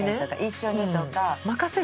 一緒にとか。